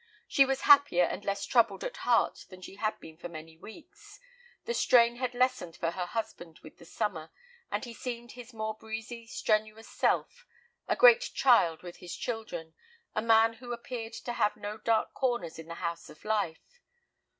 She was happier and less troubled at heart than she had been for many weeks. The strain had lessened for her husband with the summer, and he seemed his more breezy, strenuous self, a great child with his children, a man who appeared to have no dark corners in the house of life.